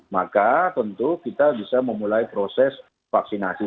maka tentu kita bisa memulai proses vaksinasi